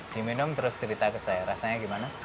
diminum terus cerita ke saya rasanya gimana